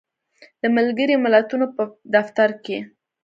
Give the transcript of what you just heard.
د ملګری ملتونو په دفتر کې